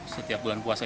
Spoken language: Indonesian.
setiap bulan puasa